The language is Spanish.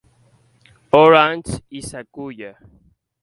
Orange, y Sakuya.